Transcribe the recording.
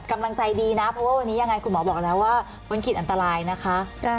กำลังใจดีนะเพราะว่าวันนี้ยังไงคุณหมอบอกแล้วว่าพ้นขีดอันตรายนะคะ